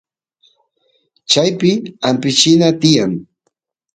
chaypi ampichina tiyan